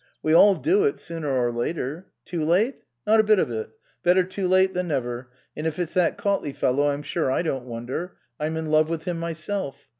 We all do it, sooner or later. Too late ? Not a bit of it ; better too late than never, and if it's that Caut ley man I'm sure I don't wonder. I'm in love with him myself.